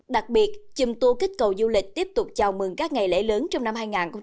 đặc biệt chùm tour kích cầu du lịch tiếp tục chào mừng các ngày lễ lớn trong năm hai nghìn hai mươi bốn